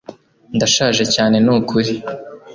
ndashaje cyane nukuri